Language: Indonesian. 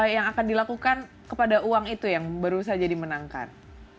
yang akan dilakukan kepada uang itu yang baru saja dimenangkan